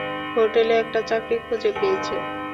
হোটলে একটা চাকরী খুঁজে পেয়েছে।